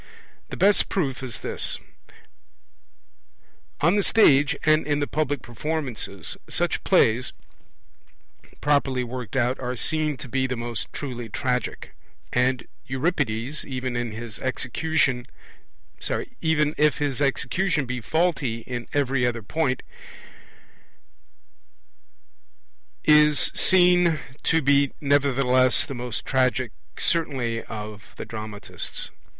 The best proof is this: on the stage, and in the public performances, such plays, properly worked out, are seen to be the most truly tragic; and Euripides, even if his elecution be faulty in every other point, is seen to be nevertheless the most tragic certainly of the dramatists.